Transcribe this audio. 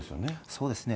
そうですね。